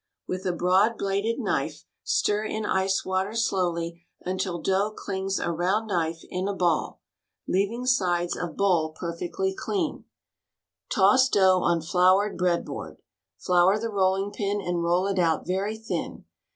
With a broad bladed knife stir in ice water slowly until dough clings around knife in a ball, leaving sides of bowl per THE STAG COOK BOOK fectly clean. Toss dough on floured bread board. Flour the rolling pin and roll it out very thin.